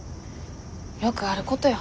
よくあることよ。